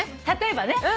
例えばね。